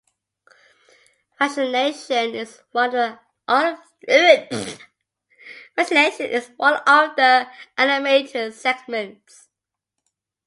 "Fashionation" is one of the animated segments.